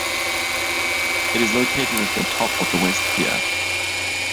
It is located at the top of the West Pier.